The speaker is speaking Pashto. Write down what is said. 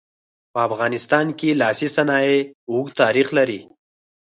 په افغانستان کې لاسي صنایع اوږد تاریخ لري.